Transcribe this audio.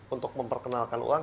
untuk memperkenalkan uang